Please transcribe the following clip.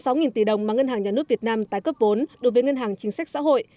số một mươi sáu tỷ đồng mà ngân hàng nhà nước việt nam tái cấp vốn đối với ngân hàng chính sách xã hội